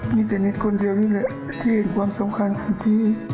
พี่จะเห็นคนเดียวนี่แหละที่เห็นความสำคัญของพี่